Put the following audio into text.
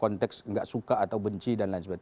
konteks nggak suka atau benci dan lain sebagainya